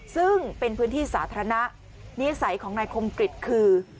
ซึ่งเป็นพื้นที่สาธารณะนิสัยของนายคมกริจคือ